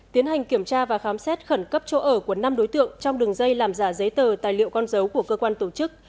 tiến hành kiểm tra và khám xét khẩn cấp chỗ ở của năm đối tượng trong đường dây làm giả giấy tờ tài liệu con dấu của cơ quan tổ chức